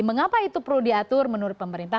mengapa itu perlu diatur menurut pemerintah